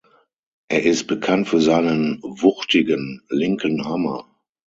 Er ist bekannt für seinen wuchtigen „linken Hammer“.